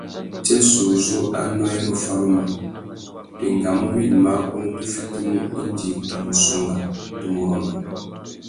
Tsêssê uzu anô i ru faruma, tu engamú wïmá uwú tu fitimú indi tu mù songha, tu mù rôndô.